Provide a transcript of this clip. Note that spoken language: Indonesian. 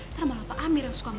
ntar malah pak amir yang suka mau